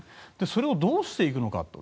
それをどうしていくのかと。